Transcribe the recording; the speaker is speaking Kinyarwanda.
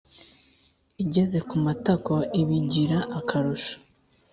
Igeze ku matako ibigira akarusho